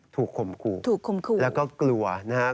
ถูกคมคู่และก็กลัวนะครับ